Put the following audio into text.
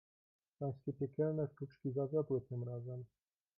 "Pańskie piekielne sztuczki zawiodły tym razem."